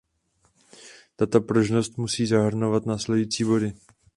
Tato pružnost musí zahrnovat následující body.